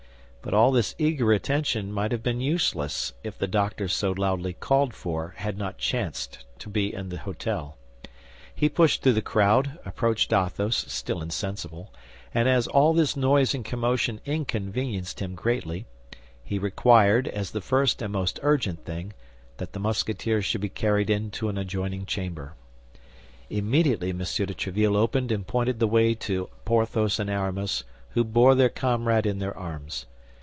But all this eager attention might have been useless if the doctor so loudly called for had not chanced to be in the hôtel. He pushed through the crowd, approached Athos, still insensible, and as all this noise and commotion inconvenienced him greatly, he required, as the first and most urgent thing, that the Musketeer should be carried into an adjoining chamber. Immediately M. de Tréville opened and pointed the way to Porthos and Aramis, who bore their comrade in their arms.